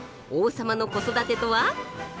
王様の子育てとは。